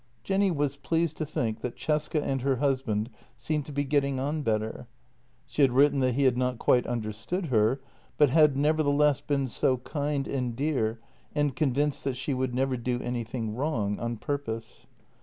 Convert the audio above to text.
Jenny was pleased to think that Cesca and her husband seemed to be getting on better. She had written that he had not quite understood her, but had, nevertheless, been so kind and dear and convinced that she would never do anything wrong — on purpose.